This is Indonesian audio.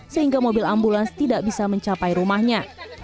sehingga mobil ambulans tidak bisa mencapai rumahnya